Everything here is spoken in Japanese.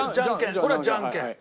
これはじゃんけん。